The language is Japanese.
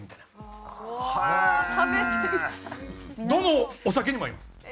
どのお酒にも合います！